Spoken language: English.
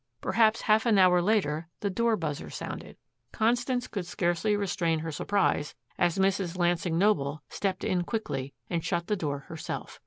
Perhaps half an hour later the door buzzer sounded. Constance could scarcely restrain her surprise as Mrs. Lansing Noble stepped in quickly and shut the door herself.